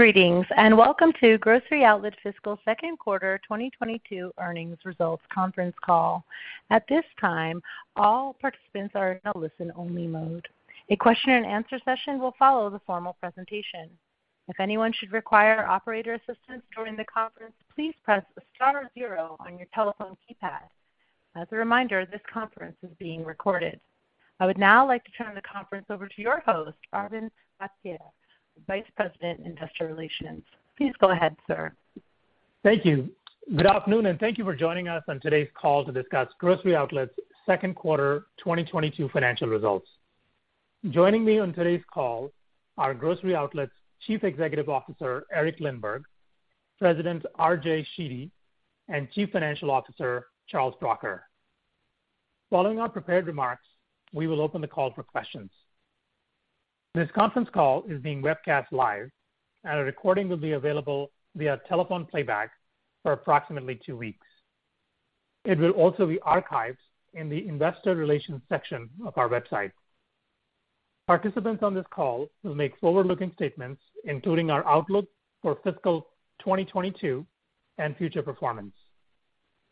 Greetings, and welcome to Grocery Outlet fiscal second quarter 2022 earnings results conference call. At this time, all participants are in a listen-only mode. A question-and-answer session will follow the formal presentation. If anyone should require operator assistance during the conference, please press star zero on your telephone keypad. As a reminder, this conference is being recorded. I would now like to turn the conference over to your host, Arvind Bhatia, Vice President, Investor Relations. Please go ahead, sir. Thank you. Good afternoon, and thank you for joining us on today's call to discuss Grocery Outlet's second quarter 2022 financial results. Joining me on today's call are Grocery Outlet's Chief Executive Officer, Eric Lindberg, President RJ Sheedy, and Chief Financial Officer, Charles Bracher. Following our prepared remarks, we will open the call for questions. This conference call is being webcast live, and a recording will be available via telephone playback for approximately 2 weeks. It will also be archived in the investor relations section of our website. Participants on this call will make forward-looking statements, including our outlook for fiscal 2022 and future performance.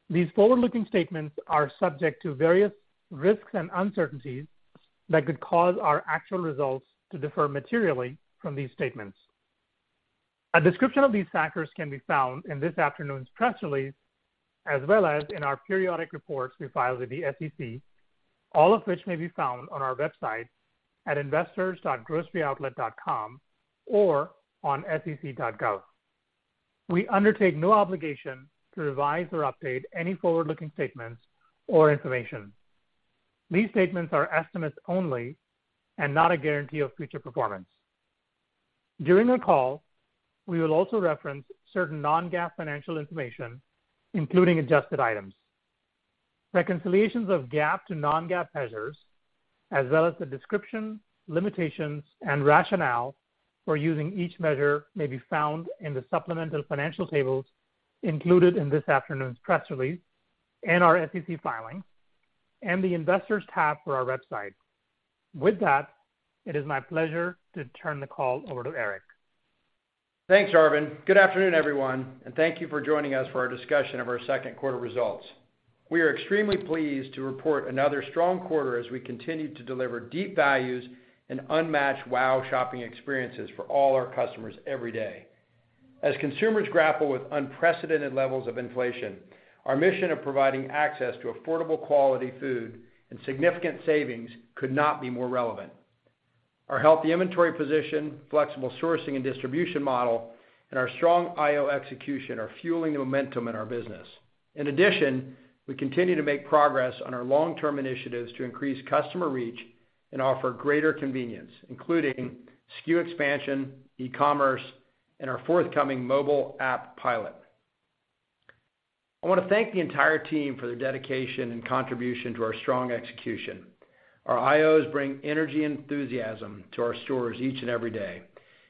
These forward-looking statements are subject to various risks and uncertainties that could cause our actual results to differ materially from these statements. A description of these factors can be found in this afternoon's press release, as well as in our periodic reports we file with the SEC, all of which may be found on our website at investors.groceryoutlet.com or on sec.gov. We undertake no obligation to revise or update any forward-looking statements or information. These statements are estimates only and not a guarantee of future performance. During the call, we will also reference certain non-GAAP financial information, including adjusted items. Reconciliations of GAAP to non-GAAP measures, as well as the description, limitations, and rationale for using each measure may be found in the supplemental financial tables included in this afternoon's press release and our SEC filing and the Investors tab for our website. With that, it is my pleasure to turn the call over to Eric. Thanks, Arvind. Good afternoon, everyone, and thank you for joining us for our discussion of our second quarter results. We are extremely pleased to report another strong quarter as we continue to deliver deep values and unmatched wow shopping experiences for all our customers every day. As consumers grapple with unprecedented levels of inflation, our mission of providing access to affordable, quality food and significant savings could not be more relevant. Our healthy inventory position, flexible sourcing and distribution model, and our strong IO execution are fueling the momentum in our business. In addition, we continue to make progress on our long-term initiatives to increase customer reach and offer greater convenience, including SKU expansion, e-commerce, and our forthcoming mobile app pilot. I wanna thank the entire team for their dedication and contribution to our strong execution. Our IOs bring energy and enthusiasm to our stores each and every day,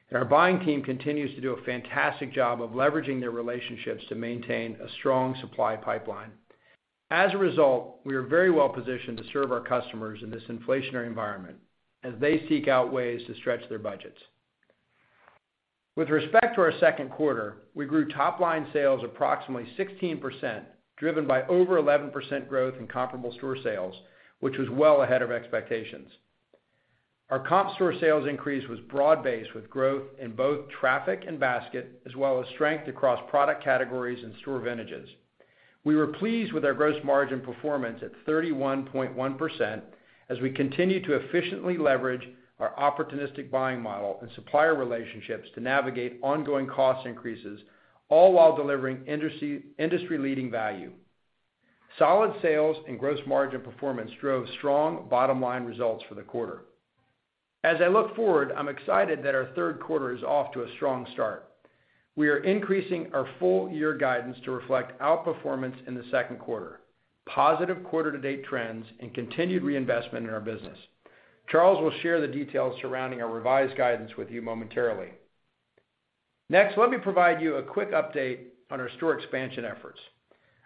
and our buying team continues to do a fantastic job of leveraging their relationships to maintain a strong supply pipeline. As a result, we are very well positioned to serve our customers in this inflationary environment as they seek out ways to stretch their budgets. With respect to our second quarter, we grew top line sales approximately 16%, driven by over 11% growth in comparable store sales, which was well ahead of expectations. Our comp store sales increase was broad-based, with growth in both traffic and basket, as well as strength across product categories and store vintages. We were pleased with our gross margin performance at 31.1% as we continue to efficiently leverage our opportunistic buying model and supplier relationships to navigate ongoing cost increases, all while delivering industry-leading value. Solid sales and gross margin performance drove strong bottom-line results for the quarter. As I look forward, I'm excited that our third quarter is off to a strong start. We are increasing our full year guidance to reflect outperformance in the second quarter, positive quarter to date trends, and continued reinvestment in our business. Charles will share the details surrounding our revised guidance with you momentarily. Next, let me provide you a quick update on our store expansion efforts.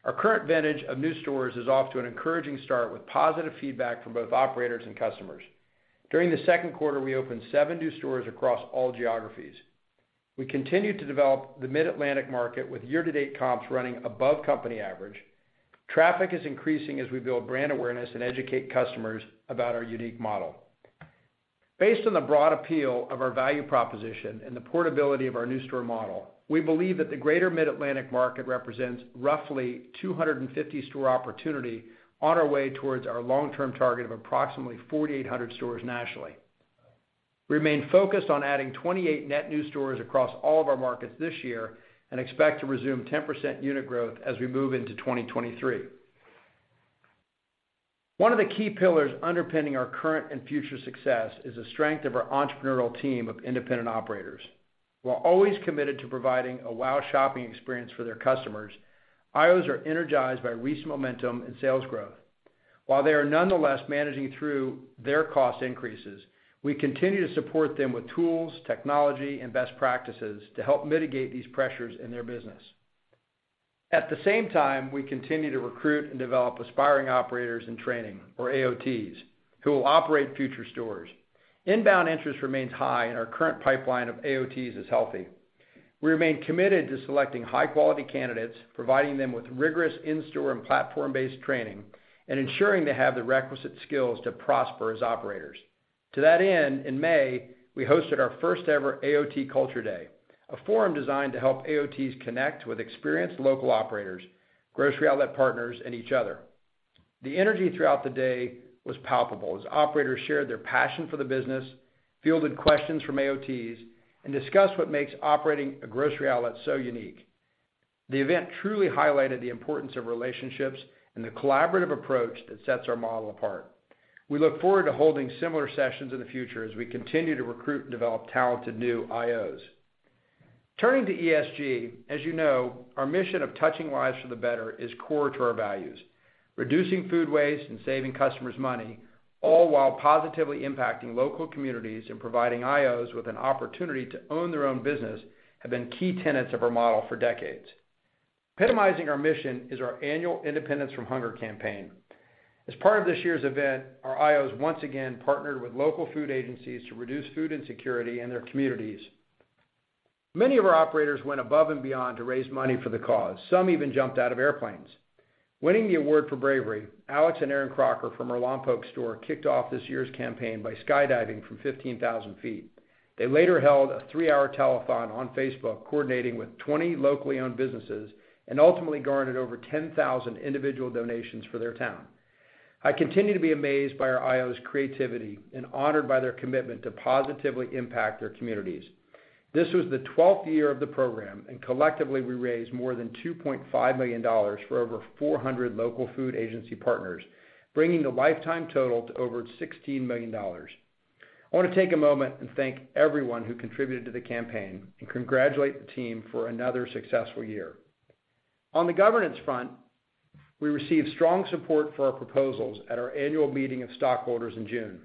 Our current vintage of new stores is off to an encouraging start with positive feedback from both operators and customers. During the second quarter, we opened seven new stores across all geographies. We continue to develop the mid-Atlantic market with year-to-date comps running above company average. Traffic is increasing as we build brand awareness and educate customers about our unique model. Based on the broad appeal of our value proposition and the portability of our new store model, we believe that the greater mid-Atlantic market represents roughly 250-store opportunity on our way towards our long-term target of approximately 4,800 stores nationally. We remain focused on adding 28 net new stores across all of our markets this year and expect to resume 10% unit growth as we move into 2023. One of the key pillars underpinning our current and future success is the strength of our entrepreneurial team of independent operators. While always committed to providing a wow shopping experience for their customers, IOs are energized by recent momentum and sales growth. While they are nonetheless managing through their cost increases, we continue to support them with tools, technology, and best practices to help mitigate these pressures in their business. At the same time, we continue to recruit and develop aspiring operators in training or AOTs who will operate future stores. Inbound interest remains high and our current pipeline of AOTs is healthy. We remain committed to selecting high-quality candidates, providing them with rigorous in-store and platform-based training, and ensuring they have the requisite skills to prosper as operators. To that end, in May, we hosted our first ever AOT Culture Day, a forum designed to help AOTs connect with experienced local operators, Grocery Outlet partners, and each other. The energy throughout the day was palpable as operators shared their passion for the business, fielded questions from AOTs, and discussed what makes operating a Grocery Outlet so unique. The event truly highlighted the importance of relationships and the collaborative approach that sets our model apart. We look forward to holding similar sessions in the future as we continue to recruit and develop talented new IOs. Turning to ESG, as you know, our mission of touching lives for the better is core to our values. Reducing food waste and saving customers money, all while positively impacting local communities and providing IOs with an opportunity to own their own business have been key tenets of our model for decades. Personalizing our mission is our annual Independence from Hunger campaign. As part of this year's event, our IOs once again partnered with local food agencies to reduce food insecurity in their communities. Many of our operators went above and beyond to raise money for the cause. Some even jumped out of airplanes. Winning the award for bravery, Alix and Aaron Crocker from our Lompoc store kicked off this year's campaign by skydiving from 15,000 ft. They later held a 3-hour telethon on Facebook, coordinating with 20 locally owned businesses and ultimately garnered over 10,000 individual donations for their town. I continue to be amazed by our IOs' creativity and honored by their commitment to positively impact their communities. This was the 12th year of the program, and collectively, we raised more than $2.5 million for over 400 local food agency partners, bringing the lifetime total to over $16 million. I want to take a moment and thank everyone who contributed to the campaign and congratulate the team for another successful year. On the governance front, we received strong support for our proposals at our annual meeting of stockholders in June.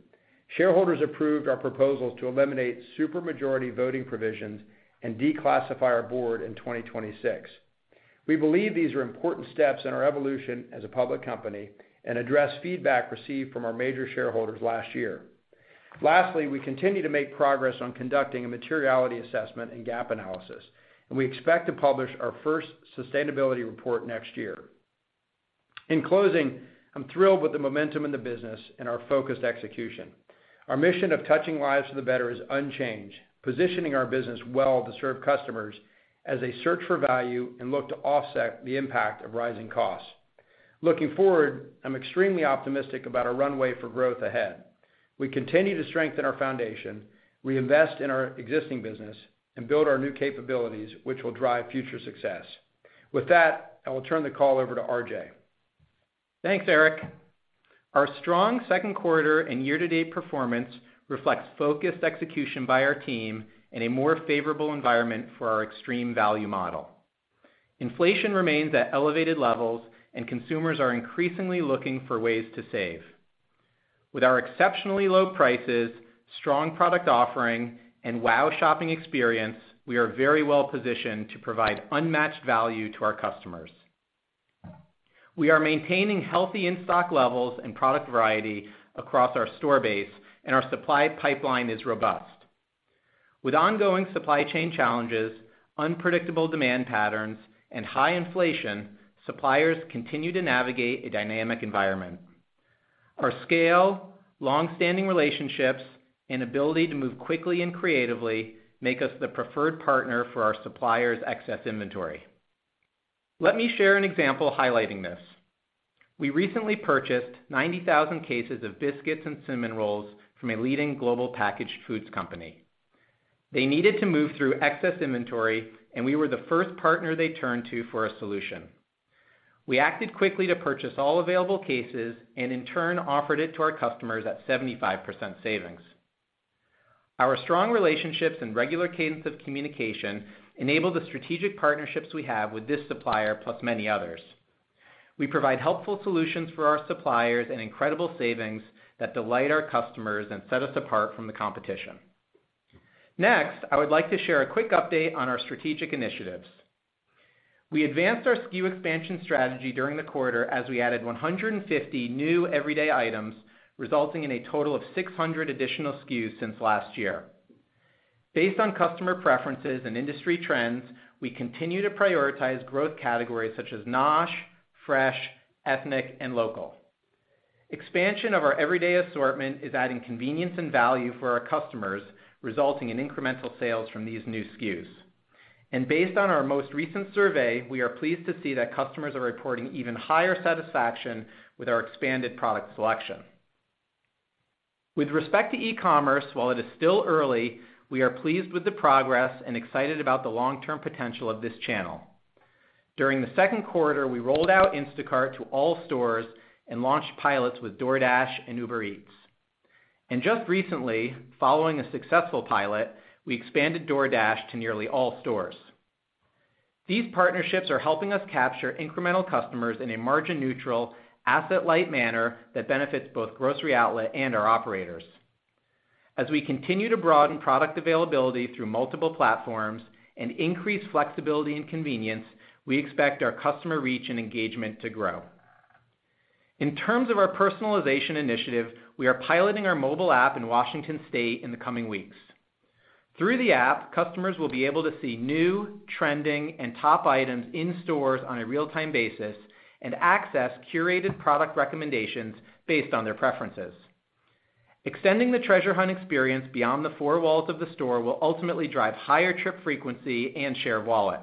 Shareholders approved our proposals to eliminate super majority voting provisions and declassify our board in 2026. We believe these are important steps in our evolution as a public company and address feedback received from our major shareholders last year. Lastly, we continue to make progress on conducting a materiality assessment and gap analysis, and we expect to publish our first sustainability report next year. In closing, I'm thrilled with the momentum in the business and our focused execution. Our mission of touching lives for the better is unchanged, positioning our business well to serve customers as they search for value and look to offset the impact of rising costs. Looking forward, I'm extremely optimistic about our runway for growth ahead. We continue to strengthen our foundation, reinvest in our existing business, and build our new capabilities, which will drive future success. With that, I will turn the call over to RJ. Thanks, Eric. Our strong second quarter and year-to-date performance reflects focused execution by our team in a more favorable environment for our extreme value model. Inflation remains at elevated levels and consumers are increasingly looking for ways to save. With our exceptionally low prices, strong product offering, and wow shopping experience, we are very well positioned to provide unmatched value to our customers. We are maintaining healthy in-stock levels and product variety across our store base, and our supply pipeline is robust. With ongoing supply chain challenges, unpredictable demand patterns, and high inflation, suppliers continue to navigate a dynamic environment. Our scale, long-standing relationships, and ability to move quickly and creatively make us the preferred partner for our suppliers' excess inventory. Let me share an example highlighting this. We recently purchased 90,000 cases of biscuits and cinnamon rolls from a leading global packaged foods company. They needed to move through excess inventory, and we were the first partner they turned to for a solution. We acted quickly to purchase all available cases and in turn offered it to our customers at 75% savings. Our strong relationships and regular cadence of communication enable the strategic partnerships we have with this supplier, plus many others. We provide helpful solutions for our suppliers and incredible savings that delight our customers and set us apart from the competition. Next, I would like to share a quick update on our strategic initiatives. We advanced our SKU expansion strategy during the quarter as we added 150 new everyday items, resulting in a total of 600 additional SKUs since last year. Based on customer preferences and industry trends, we continue to prioritize growth categories such as NOSH, fresh, ethnic, and local. Expansion of our everyday assortment is adding convenience and value for our customers, resulting in incremental sales from these new SKUs. Based on our most recent survey, we are pleased to see that customers are reporting even higher satisfaction with our expanded product selection. With respect to e-commerce, while it is still early, we are pleased with the progress and excited about the long-term potential of this channel. During the second quarter, we rolled out Instacart to all stores and launched pilots with DoorDash and Uber Eats. Just recently, following a successful pilot, we expanded DoorDash to nearly all stores. These partnerships are helping us capture incremental customers in a margin-neutral, asset-light manner that benefits both Grocery Outlet and our operators. As we continue to broaden product availability through multiple platforms and increase flexibility and convenience, we expect our customer reach and engagement to grow. In terms of our personalization initiative, we are piloting our mobile app in Washington State in the coming weeks. Through the app, customers will be able to see new, trending, and top items in stores on a real-time basis and access curated product recommendations based on their preferences. Extending the treasure hunt experience beyond the four walls of the store will ultimately drive higher trip frequency and share of wallet.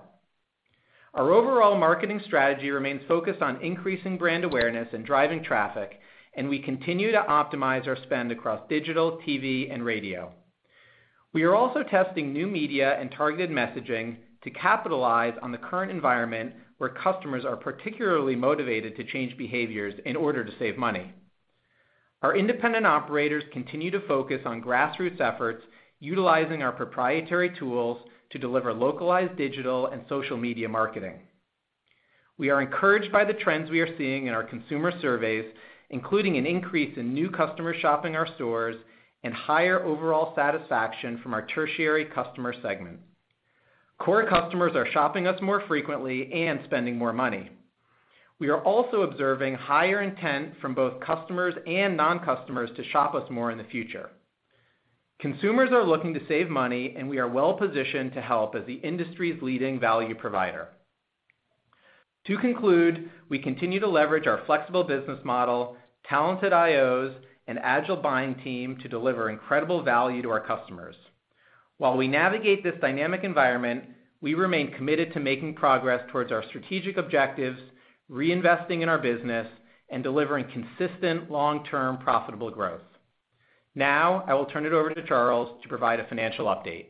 Our overall marketing strategy remains focused on increasing brand awareness and driving traffic, and we continue to optimize our spend across digital, TV, and radio. We are also testing new media and targeted messaging to capitalize on the current environment, where customers are particularly motivated to change behaviors in order to save money. Our independent operators continue to focus on grassroots efforts, utilizing our proprietary tools to deliver localized digital and social media marketing. We are encouraged by the trends we are seeing in our consumer surveys, including an increase in new customer shopping our stores and higher overall satisfaction from our tertiary customer segment. Core customers are shopping us more frequently and spending more money. We are also observing higher intent from both customers and non-customers to shop us more in the future. Consumers are looking to save money, and we are well-positioned to help as the industry's leading value provider. To conclude, we continue to leverage our flexible business model, talented IOs, and agile buying team to deliver incredible value to our customers. While we navigate this dynamic environment, we remain committed to making progress towards our strategic objectives, reinvesting in our business, and delivering consistent long-term profitable growth. Now, I will turn it over to Charles to provide a financial update.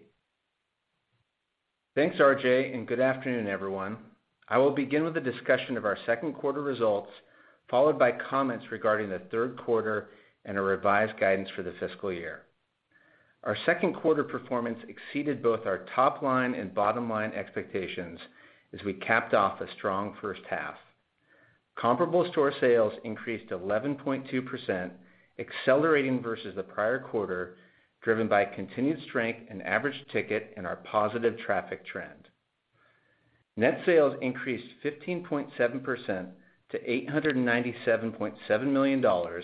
Thanks, RJ, and good afternoon, everyone. I will begin with a discussion of our second quarter results, followed by comments regarding the third quarter and a revised guidance for the fiscal year. Our second quarter performance exceeded both our top line and bottom line expectations as we capped off a strong first half. Comparable store sales increased 11.2%, accelerating versus the prior quarter, driven by continued strength in average ticket and our positive traffic trend. Net sales increased 15.7% to $897.7 million,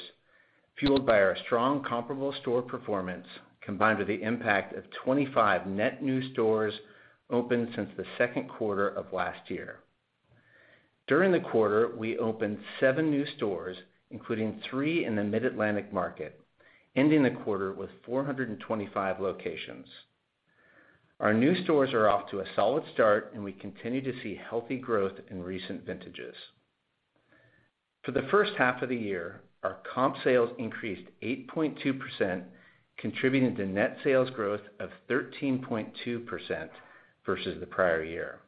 fueled by our strong comparable store performance combined with the impact of 25 net new stores opened since the second quarter of last year. During the quarter, we opened seven new stores, including three in the Mid-Atlantic market, ending the quarter with 425 locations. Our new stores are off to a solid start, and we continue to see healthy growth in recent vintages. For the first half of the year, our comp sales increased 8.2%, contributing to net sales growth of 13.2% versus the prior year.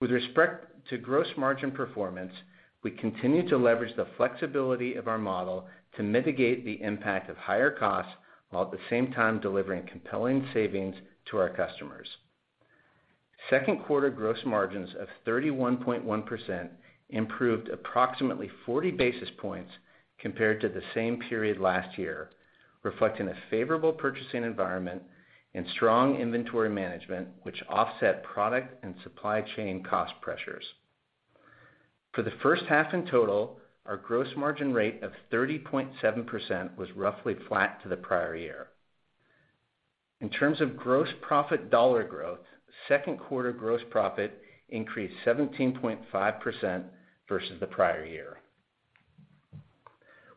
With respect to gross margin performance, we continue to leverage the flexibility of our model to mitigate the impact of higher costs while at the same time delivering compelling savings to our customers. Second quarter gross margins of 31.1% improved approximately 40 basis points compared to the same period last year, reflecting a favorable purchasing environment and strong inventory management, which offset product and supply chain cost pressures. For the first half in total, our gross margin rate of 30.7% was roughly flat to the prior year. In terms of gross profit dollar growth, second quarter gross profit increased 17.5% versus the prior year.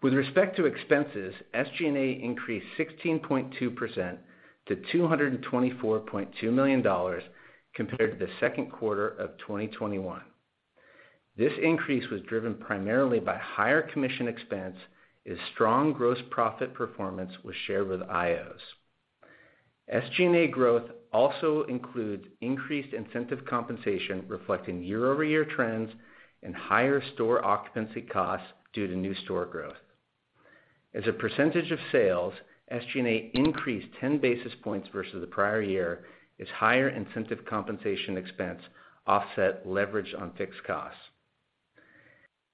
With respect to expenses, SG&A increased 16.2% to $224.2 million compared to the second quarter of 2021. This increase was driven primarily by higher commission expense as strong gross profit performance was shared with IOs. SG&A growth also includes increased incentive compensation reflecting year-over-year trends and higher store occupancy costs due to new store growth. As a percentage of sales, SG&A increased 10 basis points versus the prior year as higher incentive compensation expense offset leverage on fixed costs.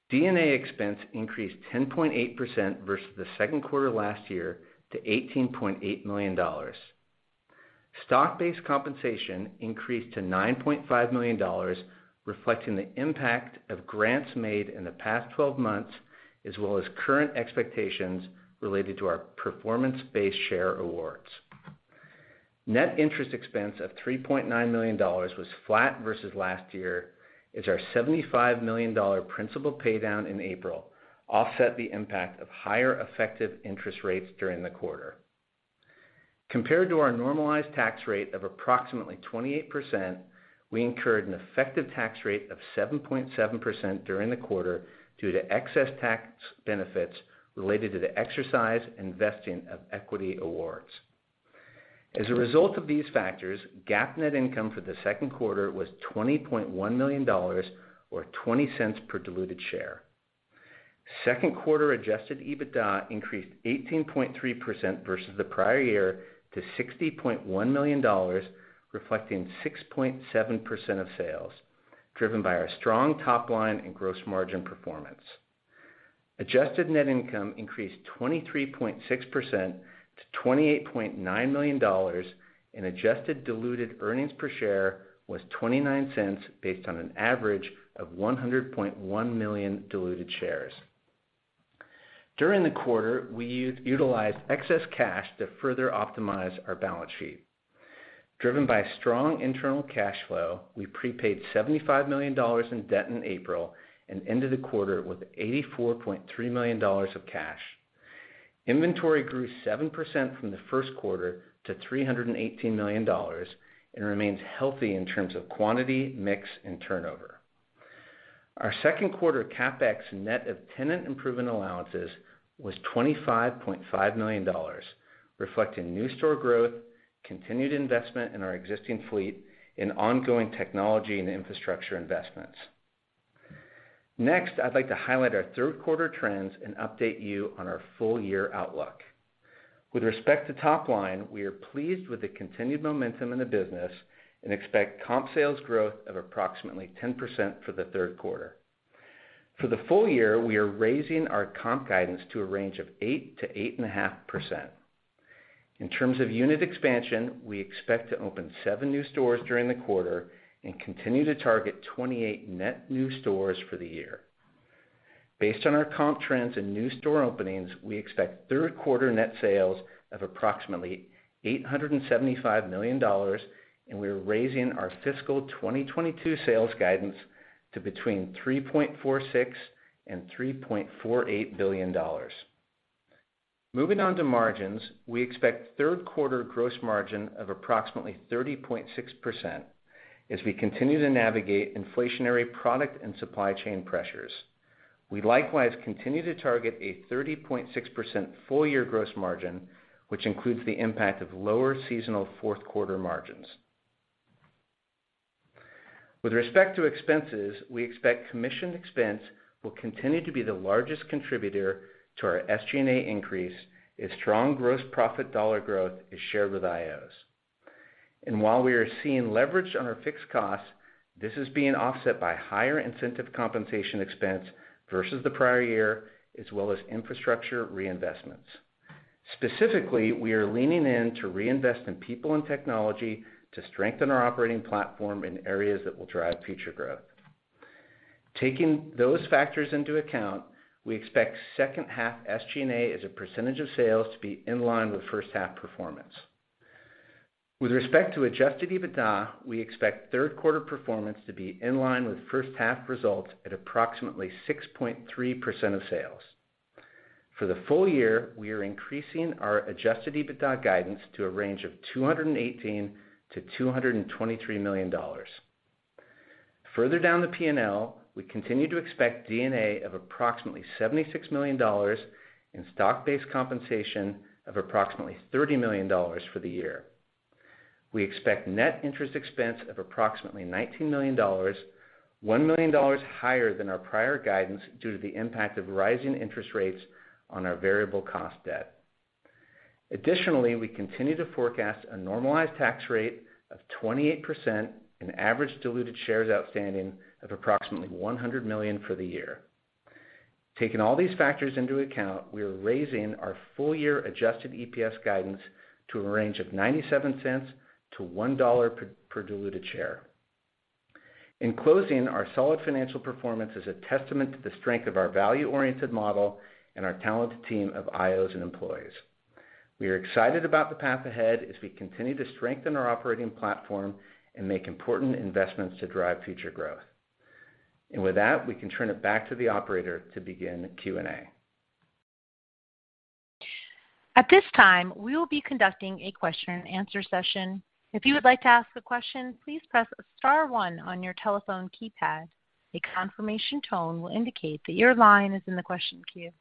D&A expense increased 10.8% versus the second quarter last year to $18.8 million. Stock-based compensation increased to $9.5 million, reflecting the impact of grants made in the past 12 months as well as current expectations related to our performance-based share awards. Net interest expense of $3.9 million was flat versus last year as our $75 million principal paydown in April offset the impact of higher effective interest rates during the quarter. Compared to our normalized tax rate of approximately 28%, we incurred an effective tax rate of 7.7% during the quarter due to excess tax benefits related to the exercise and vesting of equity awards. GAAP net income for the second quarter was $20.1 million or $0.20 per diluted share. Second quarter adjusted EBITDA increased 18.3% versus the prior year to $60.1 million, reflecting 6.7% of sales, driven by our strong top line and gross margin performance. Adjusted net income increased 23.6% to $28.9 million and adjusted diluted earnings per share was $0.29 based on an average of 100.1 million diluted shares. During the quarter, we utilized excess cash to further optimize our balance sheet. Driven by strong internal cash flow, we prepaid $75 million in debt in April and ended the quarter with $84.3 million of cash. Inventory grew 7% from the first quarter to $318 million and remains healthy in terms of quantity, mix, and turnover. Our second quarter CapEx net of tenant improvement allowances was $25.5 million, reflecting new store growth, continued investment in our existing fleet, and ongoing technology and infrastructure investments. Next, I'd like to highlight our third quarter trends and update you on our full year outlook. With respect to top line, we are pleased with the continued momentum in the business and expect comp sales growth of approximately 10% for the third quarter. For the full year, we are raising our comp guidance to a range of 8%-8.5%. In terms of unit expansion, we expect to open seven new stores during the quarter and continue to target 28 net new stores for the year. Based on our comp trends and new store openings, we expect third quarter net sales of approximately $875 million, and we are raising our fiscal 2022 sales guidance to between $3.46 billion and $3.48 billion. Moving on to margins. We expect third quarter gross margin of approximately 30.6% as we continue to navigate inflationary product and supply chain pressures. We likewise continue to target a 30.6% full year gross margin, which includes the impact of lower seasonal fourth quarter margins. With respect to expenses, we expect commission expense will continue to be the largest contributor to our SG&A increase as strong gross profit dollar growth is shared with IOs. While we are seeing leverage on our fixed costs, this is being offset by higher incentive compensation expense versus the prior year, as well as infrastructure reinvestments. Specifically, we are leaning in to reinvest in people and technology to strengthen our operating platform in areas that will drive future growth. Taking those factors into account, we expect second half SG&A as a percentage of sales to be in line with first half performance. With respect to adjusted EBITDA, we expect third quarter performance to be in line with first half results at approximately 6.3% of sales. For the full year, we are increasing our adjusted EBITDA guidance to a range of $218 million-$223 million. Further down the P&L, we continue to expect D&A of approximately $76 million and stock-based compensation of approximately $30 million for the year. We expect net interest expense of approximately $19 million, $1 million higher than our prior guidance due to the impact of rising interest rates on our variable cost debt. Additionally, we continue to forecast a normalized tax rate of 28% and average diluted shares outstanding of approximately 100 million for the year. Taking all these factors into account, we are raising our full year adjusted EPS guidance to a range of $0.97-$1.00 per diluted share. In closing, our solid financial performance is a testament to the strength of our value-oriented model and our talented team of IOs and employees. We are excited about the path ahead as we continue to strengthen our operating platform and make important investments to drive future growth. With that, we can turn it back to the operator to begin Q&A. At this time, we will be conducting a question and answer session. If you would like to ask a question, please press star one on your telephone keypad. A confirmation tone will indicate that your line is in the question queue.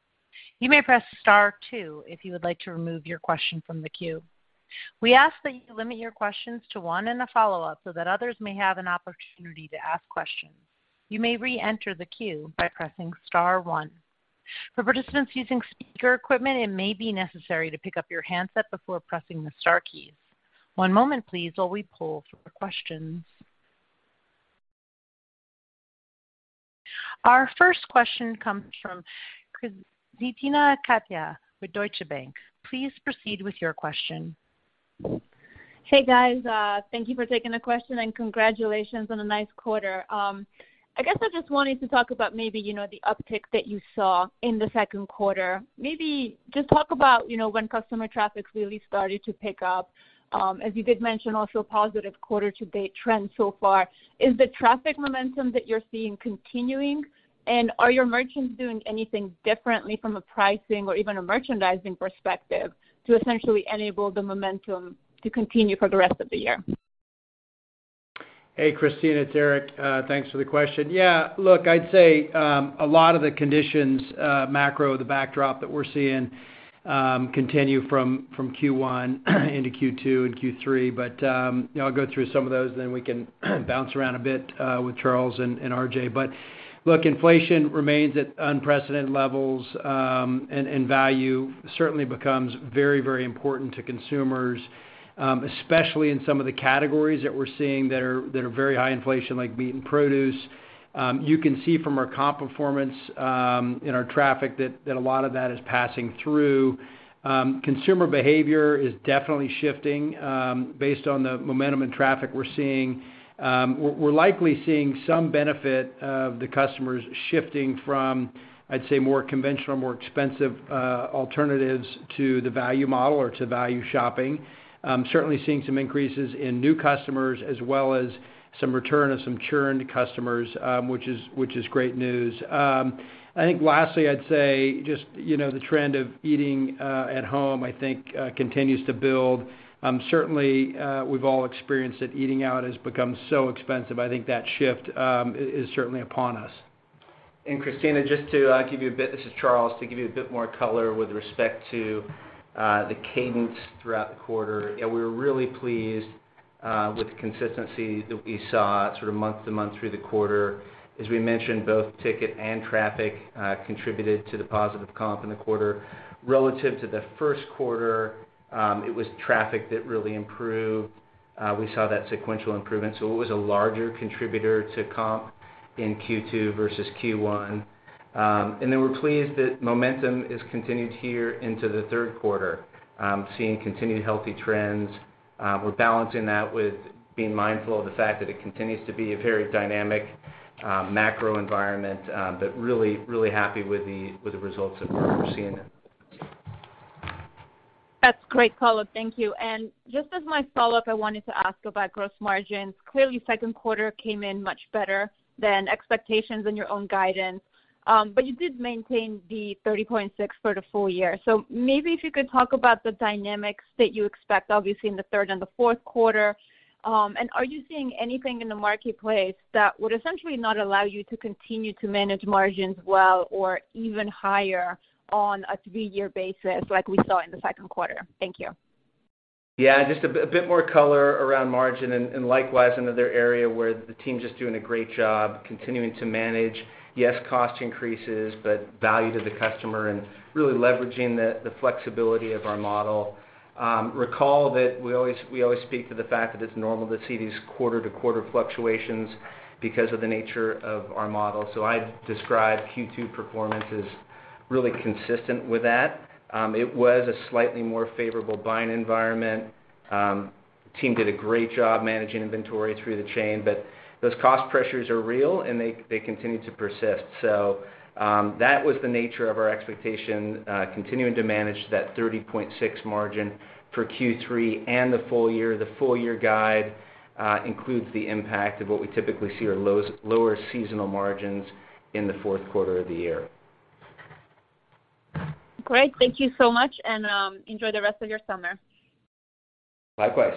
You may press star two if you would like to remove your question from the queue. We ask that you limit your questions to one and a follow-up so that others may have an opportunity to ask questions. You may reenter the queue by pressing star one. For participants using speaker equipment, it may be necessary to pick up your handset before pressing the star keys. One moment please while we pull for questions. Our first question comes from Krisztina Katai with Deutsche Bank. Please proceed with your question. Hey, guys. Thank you for taking the question and congratulations on a nice quarter. I guess I just wanted to talk about maybe, you know, the uptick that you saw in the second quarter. Maybe just talk about, you know, when customer traffic really started to pick up. As you did mention also positive quarter to date trends so far. Is the traffic momentum that you're seeing continuing? And are your merchants doing anything differently from a pricing or even a merchandising perspective to essentially enable the momentum to continue for the rest of the year? Hey, Krisztina, it's Eric. Thanks for the question. Yeah, look, I'd say a lot of the conditions macro, the backdrop that we're seeing continue from Q1 into Q2 and Q3. You know, I'll go through some of those, then we can bounce around a bit with Charles and RJ. Look, inflation remains at unprecedented levels, and value certainly becomes very, very important to consumers, especially in some of the categories that we're seeing that are very high inflation, like meat and produce. You can see from our comp performance in our traffic that a lot of that is passing through. Consumer behavior is definitely shifting based on the momentum and traffic we're seeing. We're likely seeing some benefit of the customers shifting from, I'd say, more conventional, more expensive alternatives to the value model or to value shopping. Certainly seeing some increases in new customers as well as some return of some churned customers, which is great news. I think lastly, I'd say just, you know, the trend of eating at home, I think, continues to build. Certainly, we've all experienced that eating out has become so expensive. I think that shift is certainly upon us. Krisztina, this is Charles, just to give you a bit more color with respect to the cadence throughout the quarter. Yeah, we were really pleased with the consistency that we saw sort of month to month through the quarter. As we mentioned, both ticket and traffic contributed to the positive comp in the quarter. Relative to the first quarter, it was traffic that really improved. We saw that sequential improvement, so it was a larger contributor to comp in Q2 versus Q1. We're pleased that momentum is continued here into the third quarter, seeing continued healthy trends. We're balancing that with being mindful of the fact that it continues to be a very dynamic macro environment, but really, really happy with the results that we're seeing. That's great color. Thank you. Just as my follow-up, I wanted to ask about gross margins. Clearly, second quarter came in much better than expectations and your own guidance. You did maintain the 30.6% for the full year. Maybe if you could talk about the dynamics that you expect, obviously, in the third and the fourth quarter. Are you seeing anything in the marketplace that would essentially not allow you to continue to manage margins well or even higher on a 3-year basis like we saw in the second quarter? Thank you. Yeah, just a bit more color around margin and likewise, another area where the team's just doing a great job continuing to manage cost increases, but value to the customer and really leveraging the flexibility of our model. Recall that we always speak to the fact that it's normal to see these quarter-to-quarter fluctuations because of the nature of our model. I'd describe Q2 performance as really consistent with that. It was a slightly more favorable buying environment. The team did a great job managing inventory through the chain, but those cost pressures are real, and they continue to persist. That was the nature of our expectation, continuing to manage that 30.6% margin for Q3 and the full year. The full year guide includes the impact of what we typically see are lower seasonal margins in the fourth quarter of the year. Great. Thank you so much, and enjoy the rest of your summer. Likewise.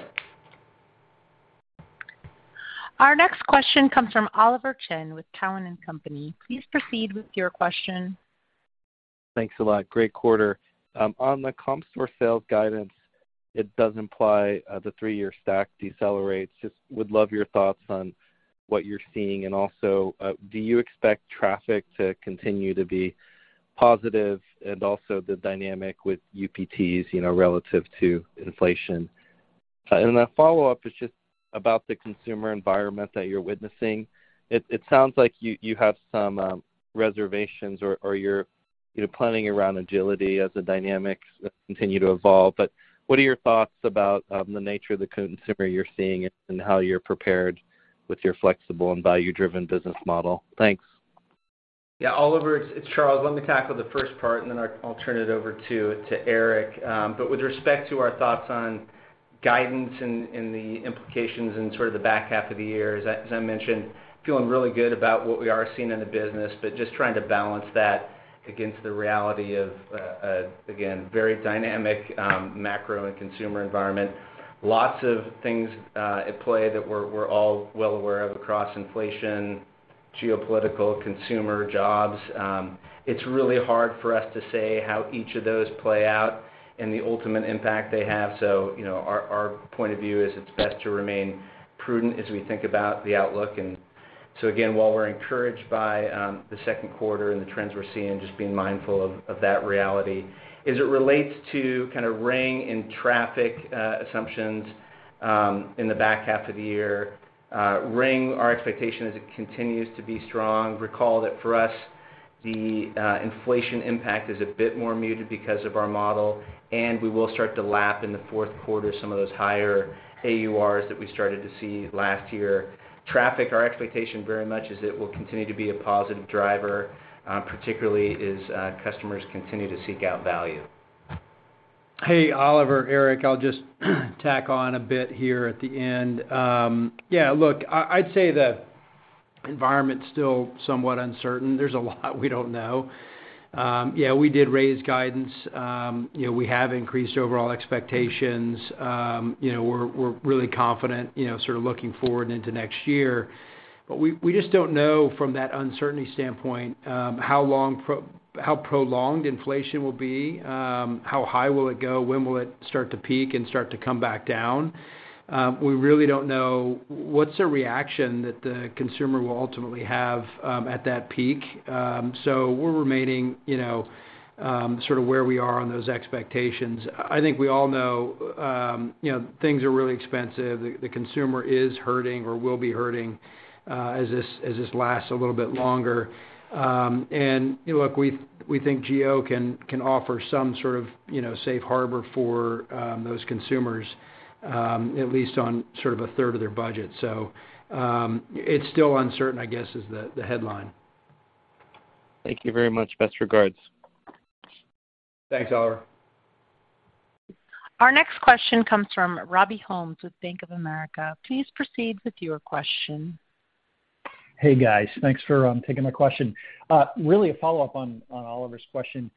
Our next question comes from Oliver Chen with Cowen and Company. Please proceed with your question. Thanks a lot. Great quarter. On the comp store sales guidance, it does imply the 3-year stack decelerates. Just would love your thoughts on what you're seeing. Also, do you expect traffic to continue to be positive and also the dynamic with UPTs, you know, relative to inflation? Then a follow-up is just about the consumer environment that you're witnessing. It sounds like you have some reservations or you're, you know, planning around agility as the dynamics continue to evolve. What are your thoughts about the nature of the consumer you're seeing and how you're prepared with your flexible and value-driven business model? Thanks. Yeah. Oliver, it's Charles. Let me tackle the first part, and then I'll turn it over to Eric. But with respect to our thoughts on guidance and the implications in sort of the back half of the year, as I mentioned, feeling really good about what we are seeing in the business, but just trying to balance that against the reality of again, very dynamic macro and consumer environment. Lots of things at play that we're all well aware of across inflation, geopolitical, consumer, jobs. It's really hard for us to say how each of those play out and the ultimate impact they have. You know, our point of view is it's best to remain prudent as we think about the outlook. Again, while we're encouraged by the second quarter and the trends we're seeing, just being mindful of that reality. As it relates to kind of ring and traffic assumptions in the back half of the year, ring, our expectation is it continues to be strong. Recall that for us, the inflation impact is a bit more muted because of our model, and we will start to lap in the fourth quarter some of those higher AURs that we started to see last year. Traffic, our expectation very much is it will continue to be a positive driver, particularly as customers continue to seek out value. Hey, Oliver. Eric, I'll just tack on a bit here at the end. Yeah, look, I'd say the environment's still somewhat uncertain. There's a lot we don't know. Yeah, we did raise guidance. You know, we have increased overall expectations. You know, we're really confident, you know, sort of looking forward into next year. We just don't know from that uncertainty standpoint, how long, how prolonged inflation will be, how high will it go, when will it start to peak and start to come back down. We really don't know what's a reaction that the consumer will ultimately have, at that peak. We're remaining, you know, sort of where we are on those expectations. I think we all know, you know, things are really expensive. The consumer is hurting or will be hurting, as this lasts a little bit longer. You know, look, we think GO can offer some sort of, you know, safe harbor for those consumers, at least on sort of a third of their budget. It's still uncertain, I guess is the headline. Thank you very much. Best regards. Thanks, Oliver. Our next question comes from Robby Ohmes with Bank of America. Please proceed with your question. Hey, guys. Thanks for taking my question. Really a follow-up on Oliver's question.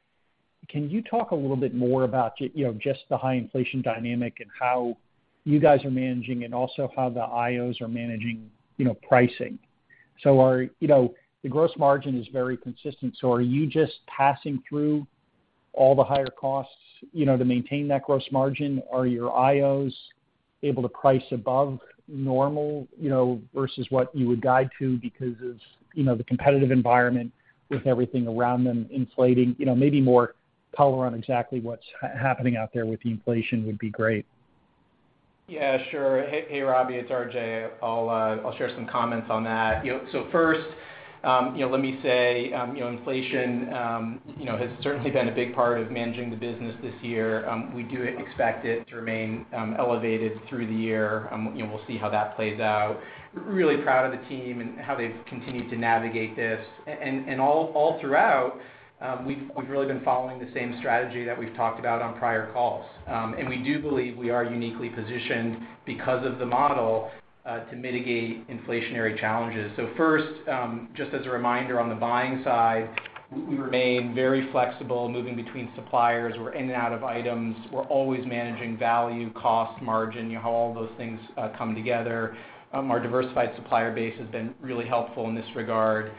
Can you talk a little bit more about, you know, just the high inflation dynamic and how you guys are managing and also how the IOs are managing, you know, pricing? The gross margin is very consistent, so are you just passing through all the higher costs, you know, to maintain that gross margin? Are your IOs able to price above normal, you know, versus what you would guide to because of, you know, the competitive environment with everything around them inflating? You know, maybe more color on exactly what's happening out there with the inflation would be great. Yeah, sure. Hey, hey, Robbie. It's RJ. I'll share some comments on that. You know, first, you know, let me say, you know, inflation, you know, has certainly been a big part of managing the business this year. We do expect it to remain elevated through the year. You know, we'll see how that plays out. Really proud of the team and how they've continued to navigate this. All throughout, we've really been following the same strategy that we've talked about on prior calls. We do believe we are uniquely positioned because of the model to mitigate inflationary challenges. First, just as a reminder on the buying side, we remain very flexible moving between suppliers. We're in and out of items. We're always managing value, cost, margin, you know, how all those things come together. Our diversified supplier base has been really helpful in this regard.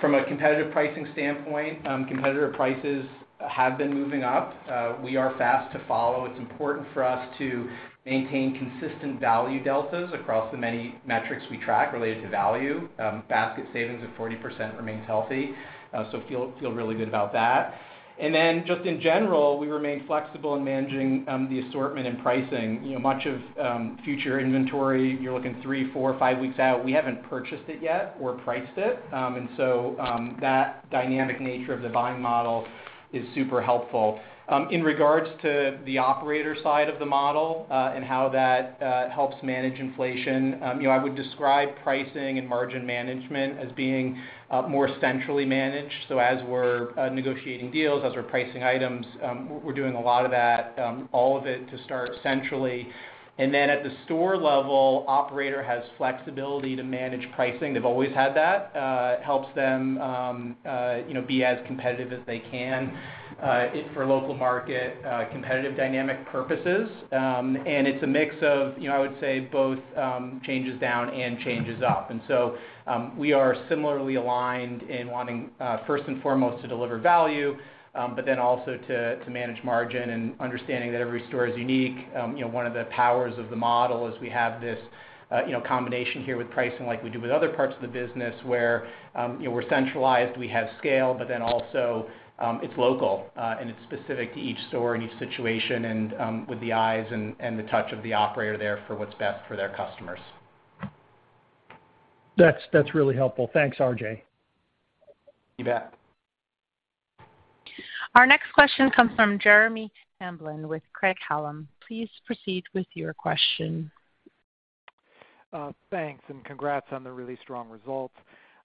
From a competitive pricing standpoint, competitive prices have been moving up. We are fast to follow. It's important for us to maintain consistent value deltas across the many metrics we track related to value. Basket savings of 40% remains healthy, so feel really good about that. Then just in general, we remain flexible in managing the assortment and pricing. You know, much of future inventory, you're looking 3, 4, 5 weeks out, we haven't purchased it yet or priced it. That dynamic nature of the buying model is super helpful. In regards to the operator side of the model, and how that helps manage inflation, you know, I would describe pricing and margin management as being more centrally managed. As we're negotiating deals, as we're pricing items, we're doing a lot of that, all of it to start centrally. At the store level, operator has flexibility to manage pricing. They've always had that. It helps them, you know, be as competitive as they can for local market competitive dynamic purposes. It's a mix of, you know, I would say both, changes down and changes up. We are similarly aligned in wanting, first and foremost, to deliver value, but then also to manage margin and understanding that every store is unique. You know, one of the powers of the model is we have this, you know, combination here with pricing like we do with other parts of the business where, you know, we're centralized, we have scale, but then also, it's local, and it's specific to each store and each situation and, with the eyes and the touch of the operator there for what's best for their customers. That's really helpful. Thanks, RJ. You bet. Our next question comes from Jeremy Hamblin with Craig-Hallum. Please proceed with your question. Thanks, congrats on the really strong results.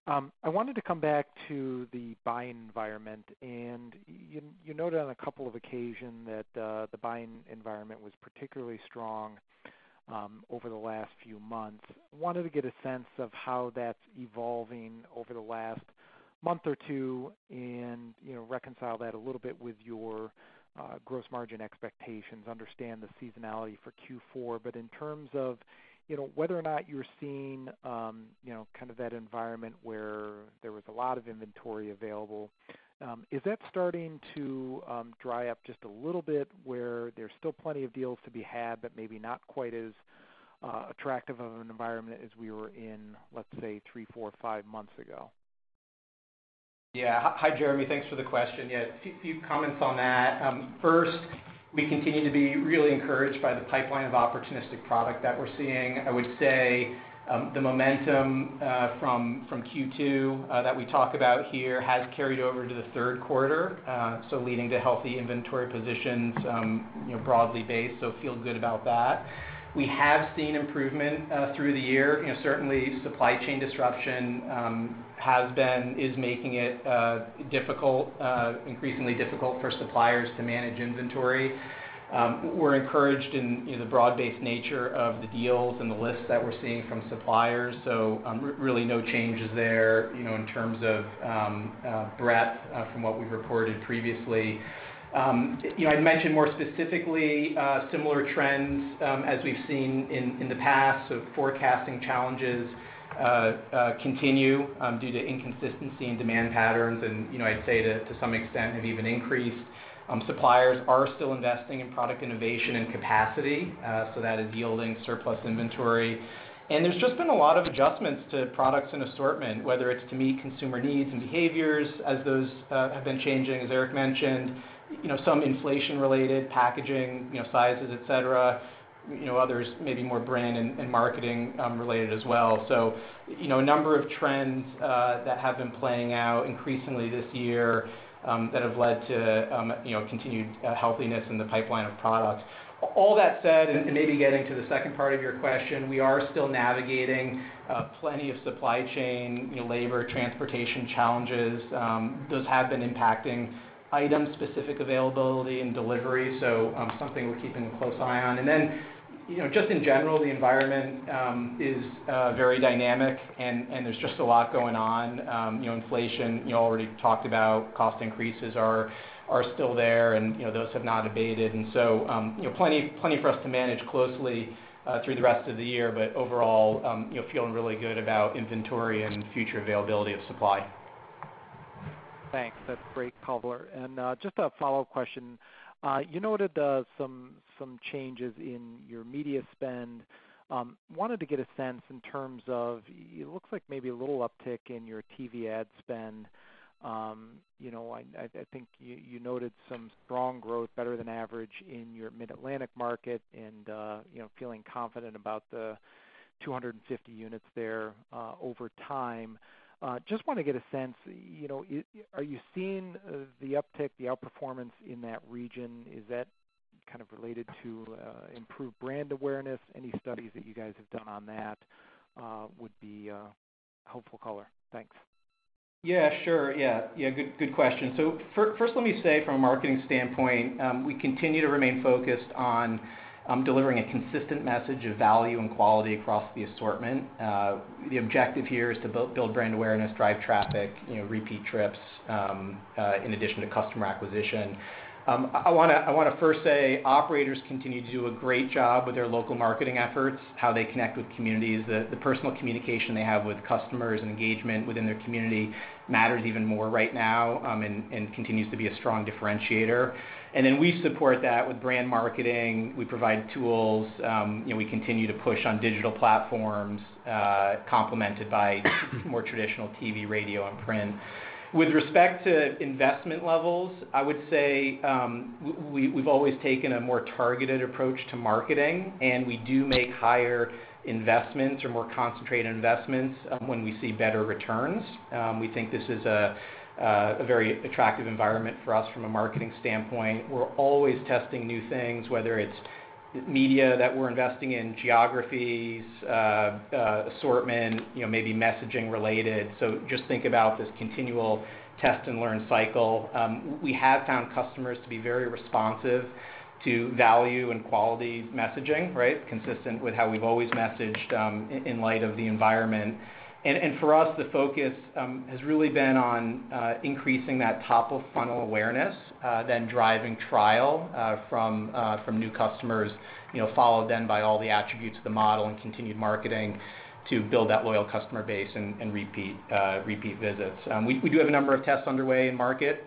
I wanted to come back to the buying environment, and you noted on a couple of occasions that the buying environment was particularly strong over the last few months. Wanted to get a sense of how that's evolving over the last month or two and, you know, reconcile that a little bit with your gross margin expectations, understand the seasonality for Q4. In terms of, you know, whether or not you're seeing, you know, kind of that environment where there was a lot of inventory available, is that starting to dry up just a little bit where there's still plenty of deals to be had, but maybe not quite as attractive of an environment as we were in, let's say, 3, 4, 5 months ago? Yeah. Hi, Jeremy. Thanks for the question. Yeah, a few comments on that. First, we continue to be really encouraged by the pipeline of opportunistic product that we're seeing. I would say, the momentum from Q2 that we talk about here has carried over to the third quarter, so leading to healthy inventory positions, you know, broadly based, so feel good about that. We have seen improvement through the year. You know, certainly supply chain disruption is making it increasingly difficult for suppliers to manage inventory. We're encouraged in, you know, the broad-based nature of the deals and the lists that we're seeing from suppliers, so, really no changes there, you know, in terms of, breadth, from what we've reported previously. You know, I'd mentioned more specifically, similar trends, as we've seen in the past of forecasting challenges, continue, due to inconsistency in demand patterns and, you know, I'd say to some extent have even increased. Suppliers are still investing in product innovation and capacity, so that is yielding surplus inventory. There's just been a lot of adjustments to products and assortment, whether it's to meet consumer needs and behaviors as those have been changing, as Eric mentioned. You know, some inflation related, packaging, you know, sizes, et cetera. You know, others may be more brand and marketing related as well. You know, a number of trends that have been playing out increasingly this year that have led to you know, continued healthiness in the pipeline of products. All that said, and maybe getting to the second part of your question, we are still navigating plenty of supply chain you know, labor, transportation challenges. Those have been impacting item-specific availability and delivery, so something we're keeping a close eye on. You know, just in general, the environment is very dynamic and there's just a lot going on. You know, inflation, you already talked about cost increases are still there and you know, those have not abated. You know, plenty for us to manage closely through the rest of the year. Overall, you know, feeling really good about inventory and future availability of supply. Thanks. That's great color. Just a follow-up question. You noted some changes in your media spend. Wanted to get a sense in terms of it looks like maybe a little uptick in your TV ad spend. You know, I think you noted some strong growth, better than average in your Mid-Atlantic market and, you know, feeling confident about the 250 units there, over time. Just wanna get a sense, you know, are you seeing the uptick, the outperformance in that region? Is that kind of related to improved brand awareness? Any studies that you guys have done on that would be helpful color. Thanks. Yeah, sure. Good question. First, let me say from a marketing standpoint, we continue to remain focused on delivering a consistent message of value and quality across the assortment. The objective here is to build brand awareness, drive traffic, you know, repeat trips in addition to customer acquisition. I wanna first say operators continue to do a great job with their local marketing efforts, how they connect with communities. The personal communication they have with customers and engagement within their community matters even more right now, and continues to be a strong differentiator. Then we support that with brand marketing. We provide tools. You know, we continue to push on digital platforms, complemented by more traditional TV, radio and print. With respect to investment levels, I would say, we've always taken a more targeted approach to marketing, and we do make higher investments or more concentrated investments, when we see better returns. We think this is a very attractive environment for us from a marketing standpoint. We're always testing new things, whether it's media that we're investing in, geographies, assortment, you know, maybe messaging related. Just think about this continual test and learn cycle. We have found customers to be very responsive to value and quality messaging, right? Consistent with how we've always messaged, in light of the environment. For us, the focus has really been on increasing that top of funnel awareness, then driving trial from new customers, you know, followed then by all the attributes of the model and continued marketing to build that loyal customer base and repeat visits. We do have a number of tests underway in markets,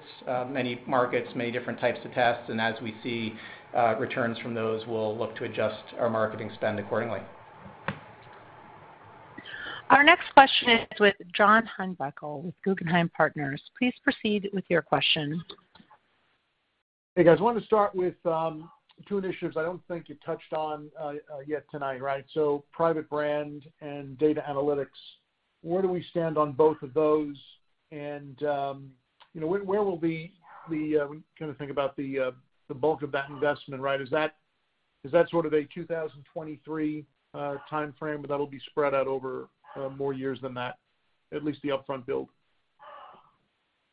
many markets, many different types of tests, and as we see returns from those, we'll look to adjust our marketing spend accordingly. Our next question is with John Heinbockel with Guggenheim Partners. Please proceed with your question. Hey, guys. I wanted to start with two initiatives I don't think you touched on yet tonight, right? Private brand and data analytics. Where do we stand on both of those? You know, when we kinda think about the bulk of that investment, right, is that sort of a 2023 timeframe or that'll be spread out over more years than that, at least the upfront build?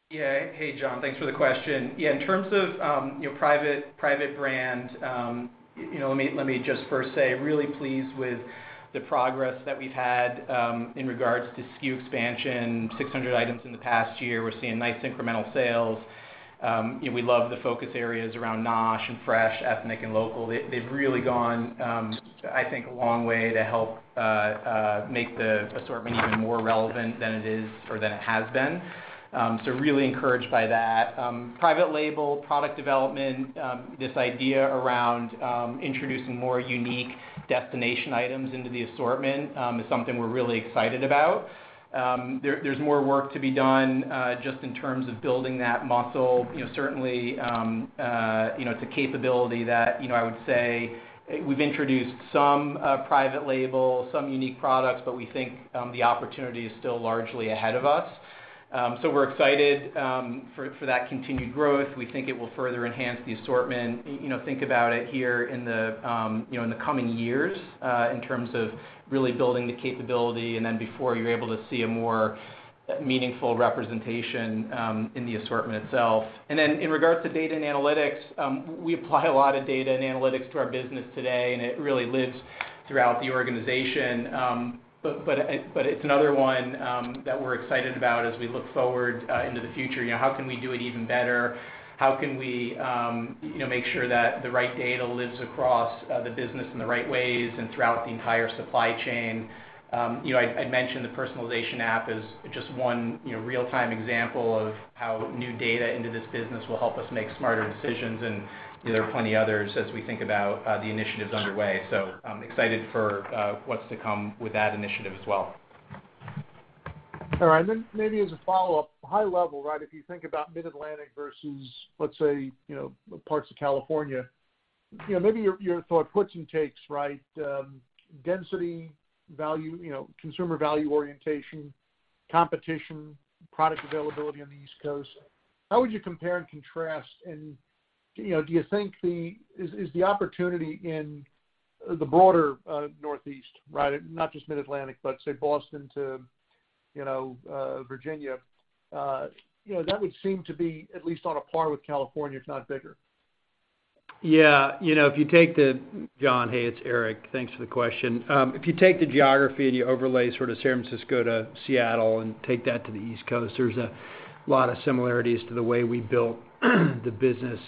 Yeah. Hey, John. Thanks for the question. Yeah, in terms of, you know, private brand, you know, let me just first say, really pleased with the progress that we've had, in regards to SKU expansion, 600 items in the past year. We're seeing nice incremental sales. You know, we love the focus areas around NOSH and fresh, ethnic, and local. They've really gone, I think a long way to help make the assortment even more relevant than it is or than it has been. So really encouraged by that. Private label, product development, this idea around introducing more unique destination items into the assortment, is something we're really excited about. There's more work to be done, just in terms of building that muscle. You know, certainly, you know, it's a capability that, you know, I would say we've introduced some private label, some unique products, but we think the opportunity is still largely ahead of us. We're excited for that continued growth. We think it will further enhance the assortment. You know, think about it here in the, you know, in the coming years, in terms of really building the capability and then before you're able to see a more meaningful representation in the assortment itself. In regards to data and analytics, we apply a lot of data and analytics to our business today, and it really lives throughout the organization. It's another one that we're excited about as we look forward into the future. You know, how can we do it even better? How can we, you know, make sure that the right data lives across the business in the right ways and throughout the entire supply chain? You know, I mentioned the personalization app is just one, you know, real-time example of how new data into this business will help us make smarter decisions, and there are plenty others as we think about the initiatives underway. I'm excited for what's to come with that initiative as well. All right. Maybe as a follow-up, high level, right, if you think about Mid-Atlantic versus, let's say, you know, parts of California, you know, maybe your thought puts and takes, right? Density, value, you know, consumer value orientation, competition, product availability on the East Coast. How would you compare and contrast? You know, do you think, is the opportunity in the broader Northeast, right? Not just Mid-Atlantic, but say, Boston to, you know, Virginia. You know, that would seem to be at least on a par with California, if not bigger. Yeah. You know, John, hey, it's Eric. Thanks for the question. If you take the geography and you overlay sort of San Francisco to Seattle and take that to the East Coast, there's a lot of similarities to the way we built the business,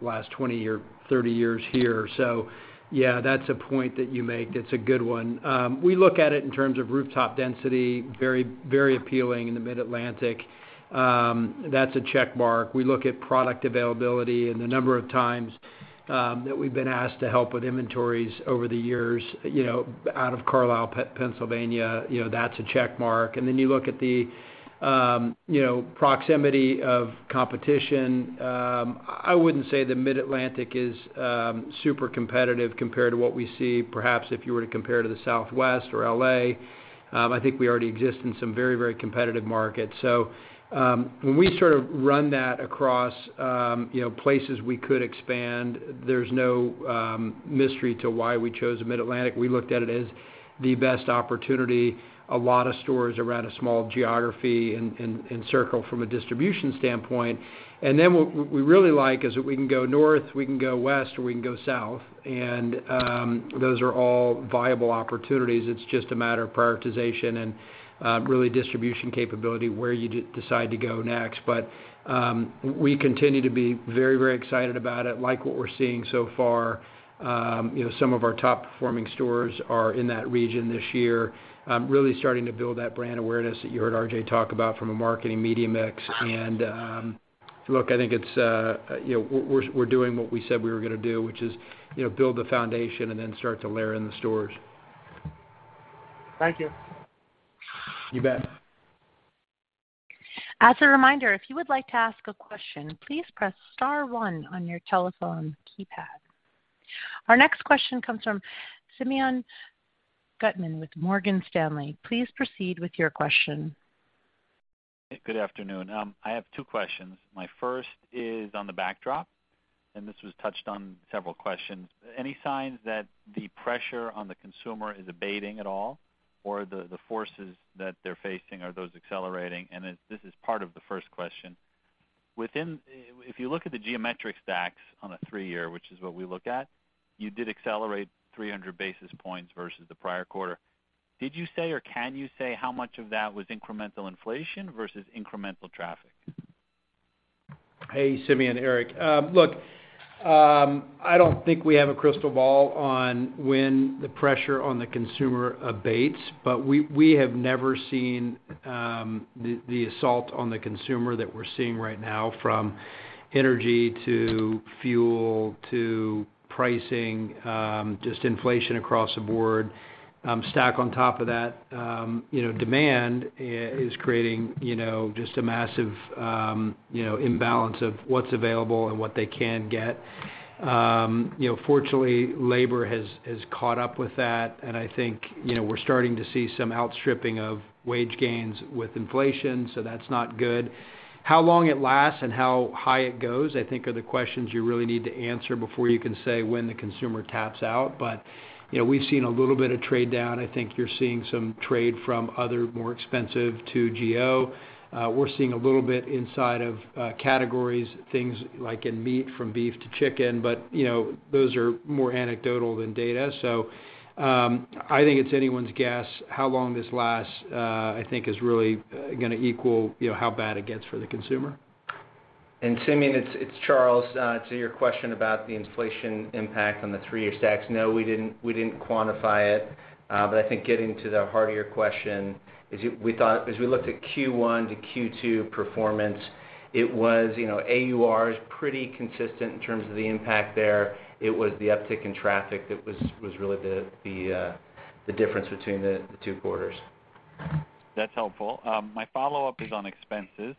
last 20 or 30 years here. Yeah, that's a point that you make. That's a good one. We look at it in terms of rooftop density, very, very appealing in the Mid-Atlantic. That's a check mark. We look at product availability and the number of times that we've been asked to help with inventories over the years, you know, out of Carlisle, Pennsylvania, you know, that's a check mark. You look at the, you know, proximity of competition. I wouldn't say the Mid-Atlantic is super competitive compared to what we see, perhaps if you were to compare to the Southwest or LA. I think we already exist in some very, very competitive markets. When we sort of run that across, you know, places we could expand, there's no mystery to why we chose Mid-Atlantic. We looked at it as the best opportunity, a lot of stores around a small geography and circle from a distribution standpoint. What we really like is that we can go north, we can go west, or we can go south, and those are all viable opportunities. It's just a matter of prioritization and really distribution capability where you decide to go next. We continue to be very, very excited about it, like what we're seeing so far. You know, some of our top performing stores are in that region this year, really starting to build that brand awareness that you heard RJ talk about from a marketing media mix. Look, I think it's, you know, we're doing what we said we were gonna do, which is, you know, build the foundation and then start to layer in the stores. Thank you. You bet. As a reminder, if you would like to ask a question, please press star one on your telephone keypad. Our next question comes from Simeon Gutman with Morgan Stanley. Please proceed with your question. Good afternoon. I have two questions. My first is on the backdrop, and this was touched on several questions. Any signs that the pressure on the consumer is abating at all, or the forces that they're facing are those accelerating? This is part of the first question. If you look at the geometric stacks on a 3-year, which is what we look at, you did accelerate 300 basis points versus the prior quarter. Did you say, or can you say how much of that was incremental inflation versus incremental traffic? Hey, Simeon. Eric. Look, I don't think we have a crystal ball on when the pressure on the consumer abates, but we have never seen the assault on the consumer that we're seeing right now from energy to fuel to pricing, just inflation across the board. Stack on top of that, you know, demand is creating, you know, just a massive, you know, imbalance of what's available and what they can get. You know, fortunately, labor has caught up with that, and I think, you know, we're starting to see some outstripping of wage gains with inflation, so that's not good. How long it lasts and how high it goes, I think are the questions you really need to answer before you can say when the consumer taps out. You know, we've seen a little bit of trade down. I think you're seeing some trade from other more expensive to GO. We're seeing a little bit inside of categories, things like in meat from beef to chicken, but you know, those are more anecdotal than data. I think it's anyone's guess how long this lasts. I think is really gonna equal, you know, how bad it gets for the consumer. Simeon, it's Charles. To your question about the inflation impact on the 3-year stacks. No, we didn't quantify it. But I think getting to the heart of your question is we thought as we looked at Q1 to Q2 performance, it was, you know, AUR is pretty consistent in terms of the impact there. It was the uptick in traffic that was really the difference between the two quarters. That's helpful. My follow-up is on expenses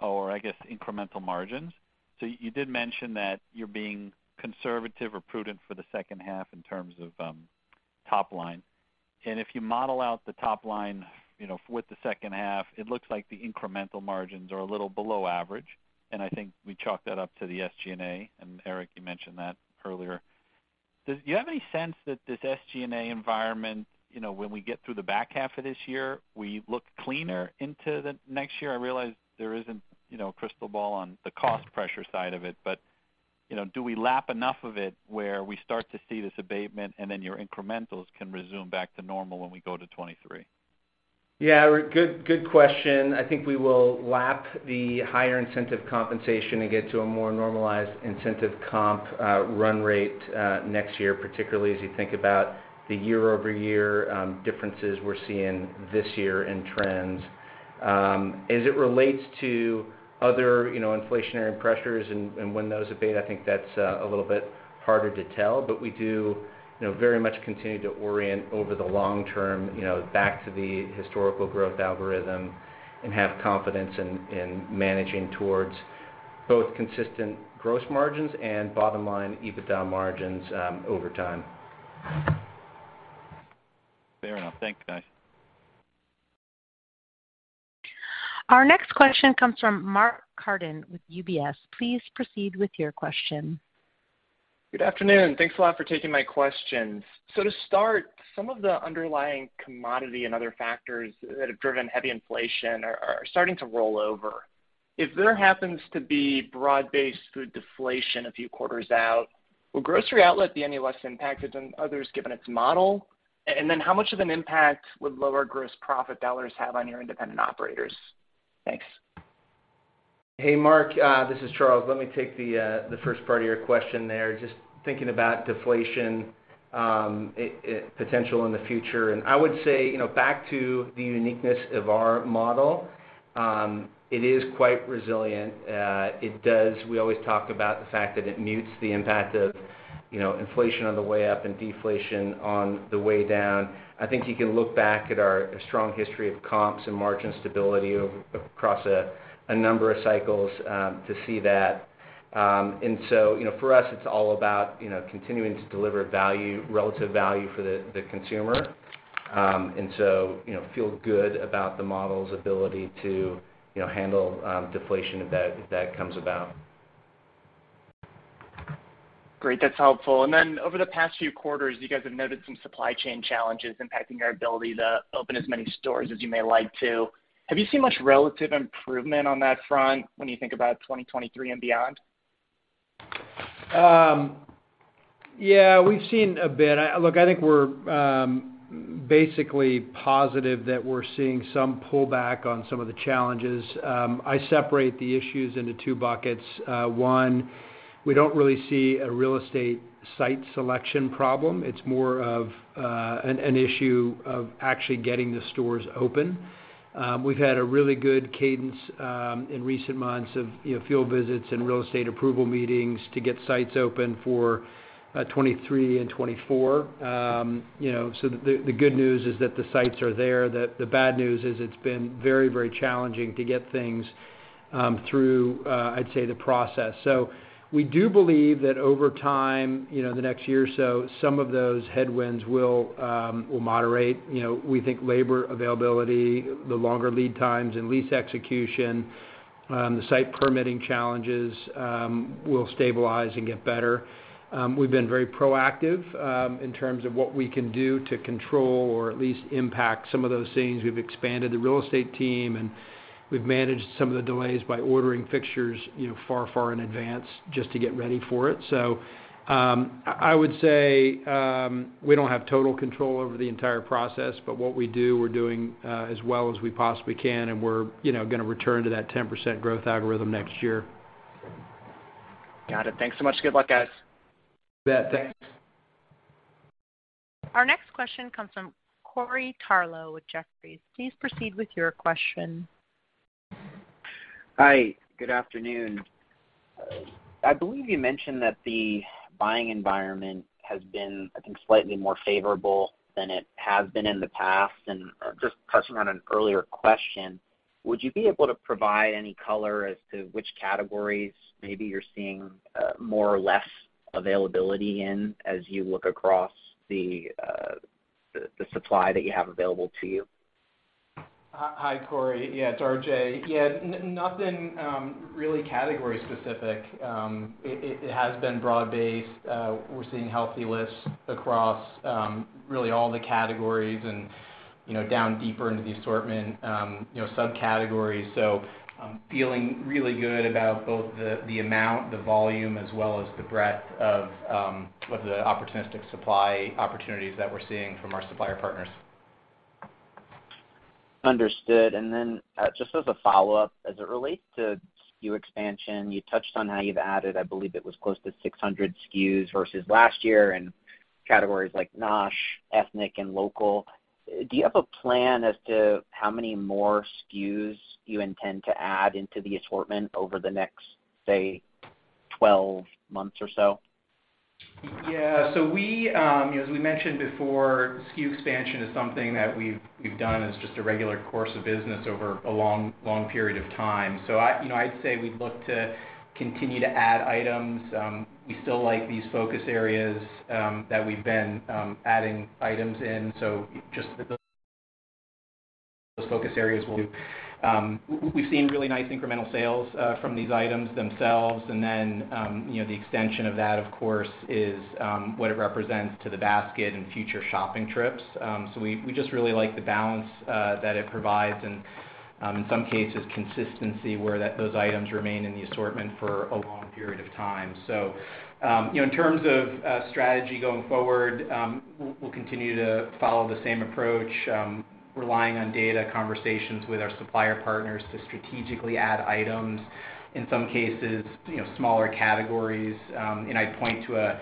or I guess, incremental margins. You did mention that you're being conservative or prudent for the second half in terms of, top line. If you model out the top line, you know, with the second half, it looks like the incremental margins are a little below average, and I think we chalk that up to the SG&A, and Eric, you mentioned that earlier. Do you have any sense that this SG&A environment, you know, when we get through the back half of this year, we look cleaner into the next year? I realize there isn't, you know, a crystal ball on the cost pressure side of it, but, you know, do we lap enough of it where we start to see this abatement and then your incrementals can resume back to normal when we go to 2023? Yeah, good question. I think we will lap the higher incentive compensation and get to a more normalized incentive comp run rate next year, particularly as you think about the year-over-year differences we're seeing this year in trends. As it relates to other, you know, inflationary pressures and when those abate, I think that's a little bit harder to tell, but we do, you know, very much continue to orient over the long term, you know, back to the historical growth algorithm and have confidence in managing towards both consistent gross margins and bottom line EBITDA margins over time. Fair enough. Thanks, guys. Our next question comes from Mark Carden with UBS. Please proceed with your question. Good afternoon. Thanks a lot for taking my questions. To start, some of the underlying commodity and other factors that have driven heavy inflation are starting to roll over. If there happens to be broad-based food deflation a few quarters out, will Grocery Outlet be any less impacted than others given its model? How much of an impact would lower gross profit dollars have on your independent operators? Thanks. Hey, Mark, this is Charles. Let me take the first part of your question there. Just thinking about deflation potential in the future. I would say, you know, back to the uniqueness of our model, it is quite resilient. We always talk about the fact that it mutes the impact of, you know, inflation on the way up and deflation on the way down. I think you can look back at our strong history of comps and margin stability across a number of cycles to see that. You know, for us, it's all about, you know, continuing to deliver value, relative value for the consumer. You know, feel good about the model's ability to, you know, handle deflation if that comes about. Great. That's helpful. Over the past few quarters, you guys have noted some supply chain challenges impacting your ability to open as many stores as you may like to. Have you seen much relative improvement on that front when you think about 2023 and beyond? Yeah, we've seen a bit. Look, I think we're basically positive that we're seeing some pullback on some of the challenges. I separate the issues into two buckets. One, we don't really see a real estate site selection problem. It's more of an issue of actually getting the stores open. We've had a really good cadence in recent months of, you know, field visits and real estate approval meetings to get sites open for 2023 and 2024. You know, the good news is that the sites are there. The bad news is it's been very challenging to get things through. I'd say the process. We do believe that over time, you know, the next year or so, some of those headwinds will moderate. You know, we think labor availability, the longer lead times and lease execution, the site permitting challenges, will stabilize and get better. We've been very proactive in terms of what we can do to control or at least impact some of those things. We've expanded the real estate team, and we've managed some of the delays by ordering fixtures, you know, far, far in advance just to get ready for it. I would say we don't have total control over the entire process, but what we do, we're doing as well as we possibly can, and we're, you know, gonna return to that 10% growth algorithm next year. Got it. Thanks so much. Good luck, guys. You bet. Thanks. Our next question comes from Corey Tarlowe with Jefferies. Please proceed with your question. Hi, good afternoon. I believe you mentioned that the buying environment has been, I think, slightly more favorable than it has been in the past. Just touching on an earlier question, would you be able to provide any color as to which categories maybe you're seeing, more or less availability in as you look across the supply that you have available to you? Hi, Corey. Yeah, it's RJ. Yeah, nothing really category specific. It has been broad-based. We're seeing healthy lifts across really all the categories and, you know, drilling deeper into the assortment, you know, subcategories. I'm feeling really good about both the amount, the volume, as well as the breadth of the opportunistic supply opportunities that we're seeing from our supplier partners. Understood. Just as a follow-up, as it relates to SKU expansion, you touched on how you've added, I believe it was close to 600 SKUs versus last year in categories like NOSH, ethnic, and local. Do you have a plan as to how many more SKUs you intend to add into the assortment over the next, say, 12 months or so? Yeah. We, as we mentioned before, SKU expansion is something that we've done as just a regular course of business over a long, long period of time. I, you know, I'd say we look to continue to add items. We still like these focus areas that we've been adding items in, so just the ability- those focus areas will do. We've seen really nice incremental sales from these items themselves. You know, the extension of that, of course, is what it represents to the basket and future shopping trips. We just really like the balance that it provides and, in some cases, consistency where those items remain in the assortment for a long period of time. You know, in terms of strategy going forward, we'll continue to follow the same approach, relying on data conversations with our supplier partners to strategically add items, in some cases, you know, smaller categories. I point to a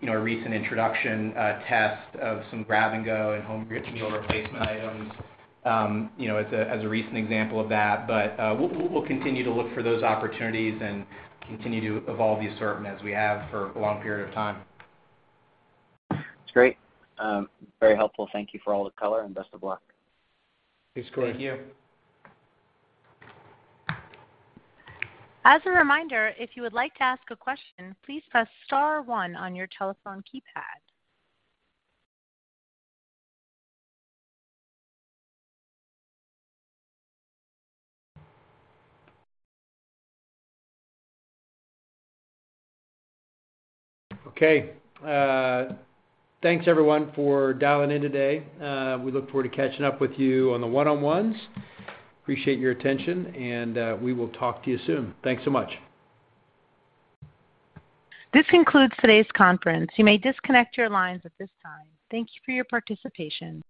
you know a recent introduction test of some grab and go and home meal replacement items you know as a recent example of that. We'll continue to look for those opportunities and continue to evolve the assortment as we have for a long period of time. That's great. Very helpful. Thank you for all the color, and best of luck. Thanks, Corey. Thank you. As a reminder, if you would like to ask a question, please press star one on your telephone keypad. Okay. Thanks everyone for dialing in today. We look forward to catching up with you on the one-on-ones. Appreciate your attention and we will talk to you soon. Thanks so much. This concludes today's conference. You may disconnect your lines at this time. Thank you for your participation.